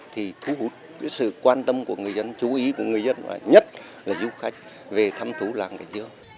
thì thú hút sự quan tâm của người dân chú ý của người dân nhất là du khách về thăm thú làng cảnh dương